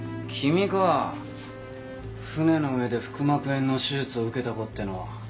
船の上で腹膜炎の手術を受けた子ってのは。